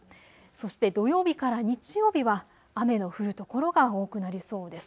そして土曜日から日曜日は雨の降る所が多くなりそうです。